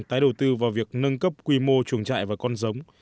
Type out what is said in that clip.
tái đầu tư vào việc nâng cấp quy mô chuồng trại và con giống